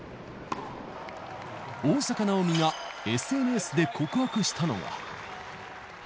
大坂なおみがＳＮＳで告白したのが。